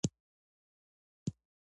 عارفو مسلمانانو ارشادات پاتې وو.